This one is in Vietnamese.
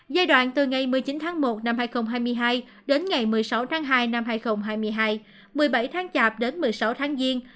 giai đoạn từ ngày một mươi chín tháng một năm hai nghìn hai mươi hai đến ngày một mươi sáu tháng hai năm hai nghìn hai mươi hai một mươi bảy tháng chạp đến một mươi sáu tháng giêng